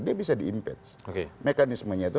dia bisa diimpeach mekanismenya itu